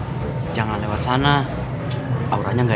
aura nya nggak enak soalnya ada orang penasaran berdiri di sana